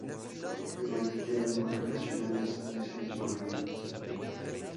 Se convirtieron en profesionales en ese mismo año.